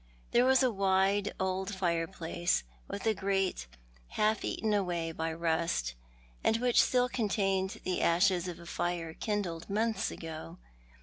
Tliere was a wide old fireplace, with a grate half eaten away by rust, and which still contained the ashes of a fire kindled months ago.